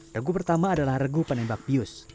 regu pertama adalah regu penembak bius